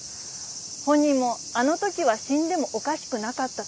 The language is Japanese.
本人も、あのときは死んでもおかしくなかった。